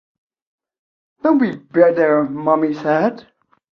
Don't be bitter, Mummy said.